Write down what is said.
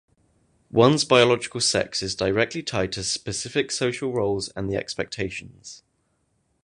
One's biological sex is directly tied to specific social roles and the expectations.